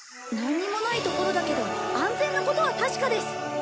なんにもない所だけど安全なことは確かです。